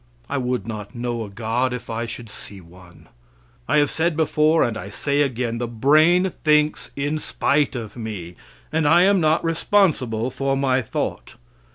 I would not know a god if I should see one. I have said before, and I say again, the brain thinks in spite of me, and I am not responsible for my thought.